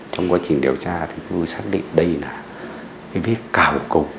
đang ở đám ma nhà bác à